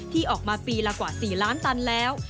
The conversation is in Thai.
ที่ออกมาปีละกว่า๔ล้านตันแล้ว